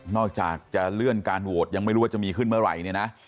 จากจะเลื่อนการโหวตยังไม่รู้ว่าจะมีขึ้นเมื่อไหร่เนี่ยนะ